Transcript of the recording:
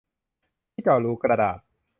ที่เจาะรูกระดาษ